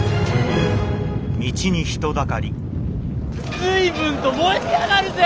・随分と燃えてやがるぜ！